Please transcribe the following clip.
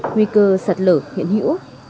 nguy cơ sạt lở hiện hữu